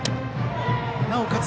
なおかつ